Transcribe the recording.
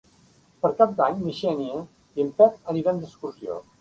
Per Cap d'Any na Xènia i en Pep aniran d'excursió.